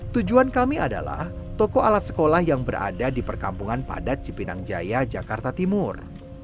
tujuan kami adalah toko alat sekolah yang berada di perkampungan padat cipinang jaya jakarta timur